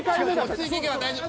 落ち着いていけば大丈夫。